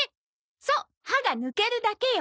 そう歯が抜けるだけよ。